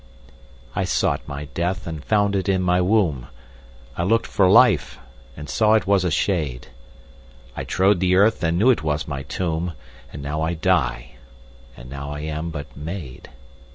13I sought my death and found it in my womb,14I lookt for life and saw it was a shade,15I trode the earth and knew it was my tomb,16And now I die, and now I am but made.